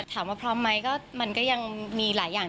ถามว่าพร้อมไหมก็มันก็ยังมีหลายอย่าง